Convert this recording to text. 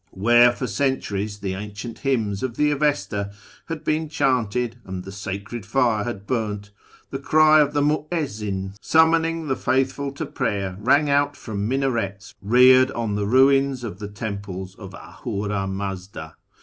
Where for centuries the ancient hymns of the Avesta had been chanted, and the sacred fire had burned, the cry of the mu'ezzin summoning the faithful to prayer rang out from minarets reared on the ruins of the temples of Ahura Mazda.